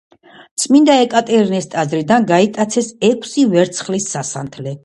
წმინდა ეკატერინეს ტაძრიდან გაიტაცეს ექვსი ვერცხლის სასანთლე.